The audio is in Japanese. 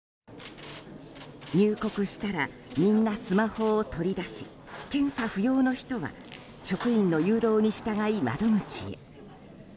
入国したらみんなスマホを取り出し検査不要の人は職員の誘導に従い窓口へ。